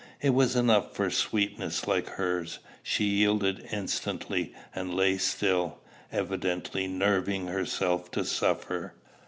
It was enough for sweetness like hers: she yielded instantly, and lay still, evidently nerving herself to suffer.